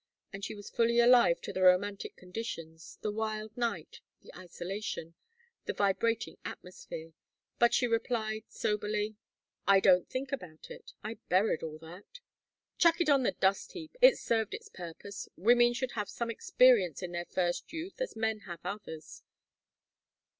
And she was fully alive to the romantic conditions, the wild night, the isolation, the vibrating atmosphere. But she replied, soberly: "I don't think about it. I buried all that " "Chuck it on the dust heap! It served its purpose: women should have some such experience in their first youth as men have others.